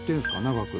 長く。